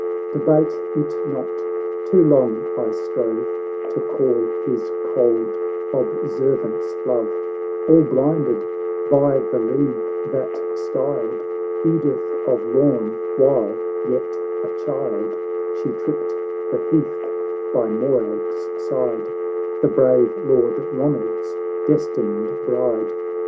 x " Debate it not— too long I strove To call his cold observance love, All blinded by the league that styled Edith of Lorn,— while, yet a child, She tripped the heath by Morag's sid<%— The brave Lord Ronald's destined bride.